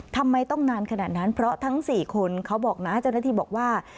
ทำไมต้องนานขนาดนั้นเพราะทั้ง๔คนเขาบอกนะเจ้าหน้าที่บอกว่า